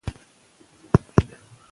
پلار وویل چې صبر ښه دی.